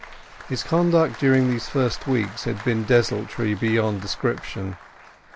His conduct during these first weeks had been desultory beyond description.